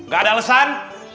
gak ada alesan